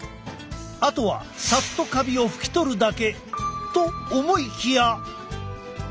あとはさっとカビを拭きとるだけと思いきや。